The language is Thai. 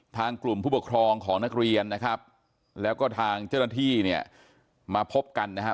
ทางกลุ่มผู้ปกครองของนักเรียนนะครับแล้วก็ทางเจ้าหน้าที่เนี่ยมาพบกันนะครับ